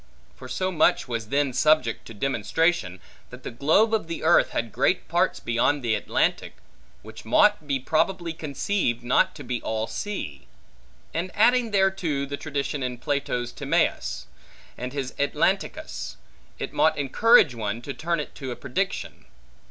For so much was then subject to demonstration, that the globe of the earth had great parts beyond the Atlantic, which mought be probably conceived not to be all sea: and adding thereto the tradition in Plato's Timaeus, and his Atlanticus, it mought encourage one to turn it to a prediction.